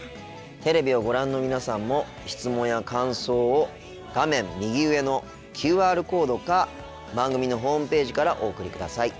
テレビをご覧の皆さんも質問や感想を画面右上のＱＲコードか番組のホームページからお送りください。